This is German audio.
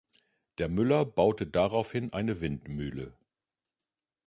Der Müller baute daraufhin eine Windmühle.